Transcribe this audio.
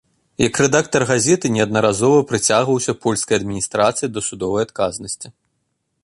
Як рэдактар газеты неаднаразова прыцягваўся польскай адміністрацыяй да судовай адказнасці.